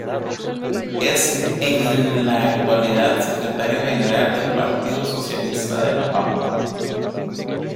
Es en la actualidad Secretario General del Partido Socialista de La Pampa.